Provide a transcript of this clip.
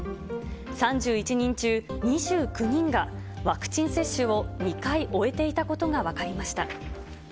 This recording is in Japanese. ３１人中、２９人がワクチン接種を２回終えていたことが分かりました。